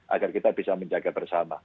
agar kita bisa menjaga bersama